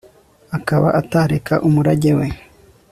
akaba atareka umurage we